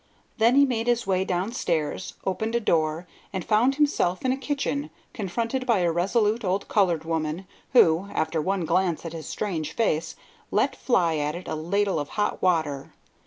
Then he made his way down stairs, opened a door, and found himself in a kitchen, confronted by a resolute old colored woman, who, after one glance at his strange face, let fly at it a ladle of hot water.